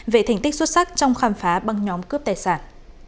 về thành tích xuất sắc trong khám phá băng nhóm cướp tài sản